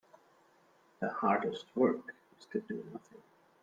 The hardest work is to do nothing.